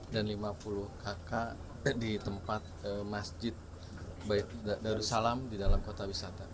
dan lima puluh kakak di tempat masjid darussalam di dalam kota wisata